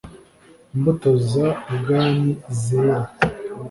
IMBUTO Z UBWAMI ZERA